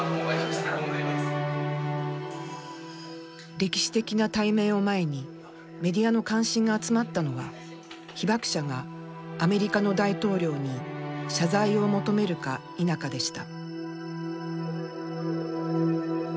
歴史的な対面を前にメディアの関心が集まったのは被爆者がアメリカの大統領に謝罪を求めるか否かでした。